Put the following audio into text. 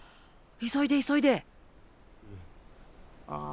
急いで急いで！